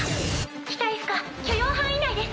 機体負荷許容範囲内です。